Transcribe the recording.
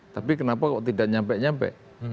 tapi kenapa kok tidak nyampe nyampe